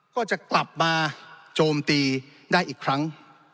ก็จะกลับมาโจมตีได้อีกครั้ง